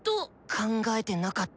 考えてなかった。